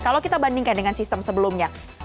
kalau kita bandingkan dengan sistem sebelumnya